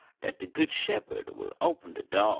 Dat de good shepherd will open de do